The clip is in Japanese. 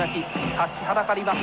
立ちはだかります